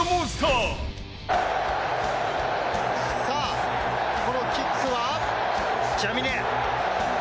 さぁこのキックはジャミネ！